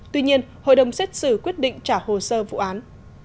tuy nhiên hội đồng xét xử quyết định trả hồ sơ vụ án